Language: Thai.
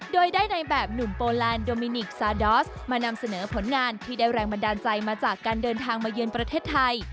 โดยได้ในแบบหนุ่มโปแลนด์โดมินิกซาดอสมานำเสนอผลงานที่ได้แรงบันดาลใจมาจากการเดินทางมาเยือนประเทศไทย